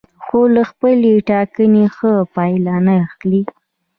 خو له خپلې ټاکنې ښه پایله نه اخلي.